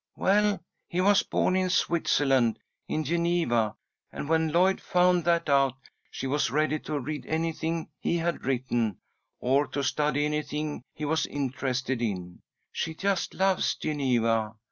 "Well, he was born in Switzerland in Geneva, and when Lloyd found that out, she was ready to read anything he had written, or to study anything he was interested in. She just loves Geneva.